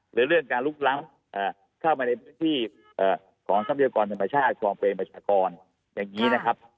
หรือเรื่องการลุกล้ำเข้ามาในพื้นที่ของท่ามเดียวกรธรรมชาติภาคบริเวณมจากรอย่างนี้นะครับ